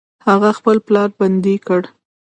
هغه خپل پلار بندي کړ.